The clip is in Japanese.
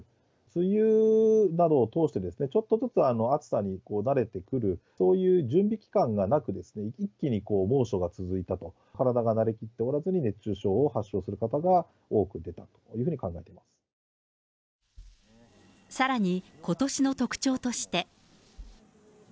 梅雨などを通して、ちょっとずつ暑さに慣れてくるという、そういう準備期間がなく、一気に猛暑が続いたと、体が慣れきっておらずに、熱中症を発症する方が多く出たというふさらに、ことしの特徴として。